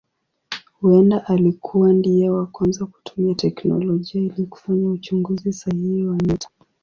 Huenda alikuwa ndiye wa kwanza kutumia teknolojia ili kufanya uchunguzi sahihi wa nyota.